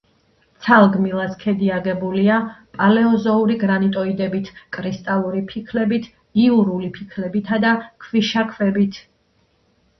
ცალგმილის ქედი აგებულია პალეოზოური გრანიტოიდებით, კრისტალური ფიქლებით, იურული ფიქლებითა და ქვიშაქვებით.